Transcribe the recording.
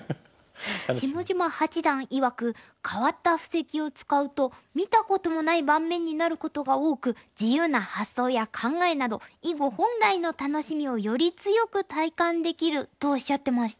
下島八段いわく「変わった布石を使うと見たこともない盤面になることが多く自由な発想や考えなど囲碁本来の楽しみをより強く体感できる」とおっしゃってました。